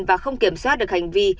và không kiểm soát được hành vi